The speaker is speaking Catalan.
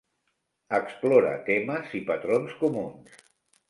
Explora temes i patrons comuns.